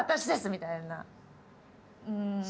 みたいな。